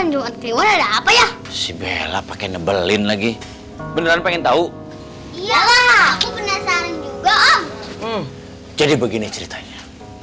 jumat kliwon ada apa ya si bella pakai nebelin lagi beneran pengen tahu jadi begini ceritanya